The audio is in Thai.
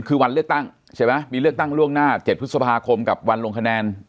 คือวันเลือกตั้งใช่ไหมมีเลือกตั้งล่วงหน้า๗พฤษภาคมกับวันลงคะแนน